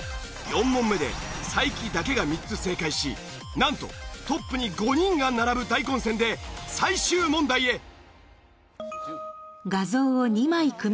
４問目で才木だけが３つ正解しなんとトップに５人が並ぶ大混戦で最終問題へ。